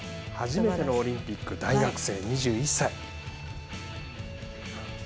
初めてのオリンピック大学生２１歳。